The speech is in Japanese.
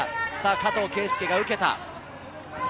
加藤圭裕が受けた。